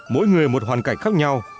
mỗi người một hoàn cảnh khác nhau